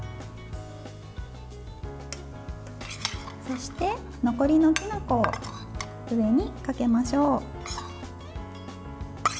そして、残りのきな粉を上にかけましょう。